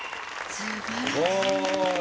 すごい！